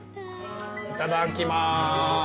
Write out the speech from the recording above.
いただきます。